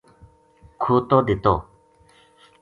کھوتو دتو